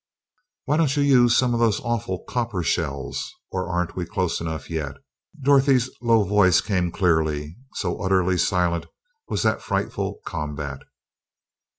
"Why don't you use some of those awful copper shells? Or aren't we close enough yet?" Dorothy's low voice came clearly, so utterly silent was that frightful combat.